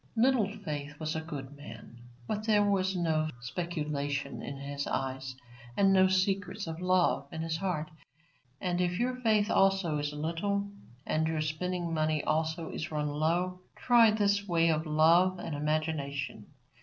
Little Faith was a good man, but there was no speculation in his eyes and no secrets of love in his heart. And if your faith also is little, and your spending money also is run low, try this way of love and imagination.